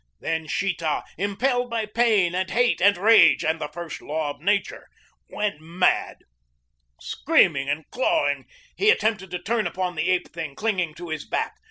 Then Sheeta, impelled by pain and hate and rage and the first law of Nature, went mad. Screaming and clawing he attempted to turn upon the ape thing clinging to his back.